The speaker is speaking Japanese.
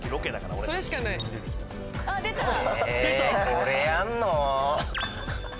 えこれやんの？